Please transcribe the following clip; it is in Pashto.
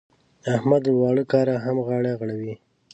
احمد له واړه کاره هم غاړه غړوي.